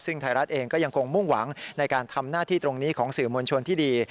ซึ่งไทยรัฐเองก็ยังคงมุ่งหวังในการทำหน้าที่ตรงนี้ของสื่อมวลชนที่ดี